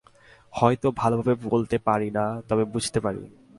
হয়তো ভালভাবে বলতে পারি না, তবে বুঝতে পারি।